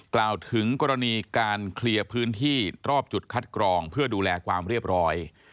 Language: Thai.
กล่าวถึงกรณีการเคลียร์พื้นที่รอบจุดคัดกรองเพื่อดูแลความเรียบร้อย